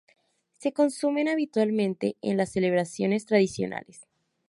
Se consumen habitualmente en las celebraciones tradicionales.